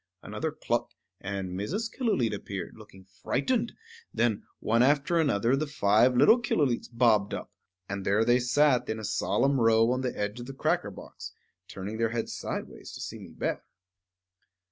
Another cluck, and Mrs. Killooleet appeared, looking frightened; then, one after another, the five little Killooleets bobbed up; and there they sat in a solemn row on the edge of the cracker box, turning their heads sidewise to see me better.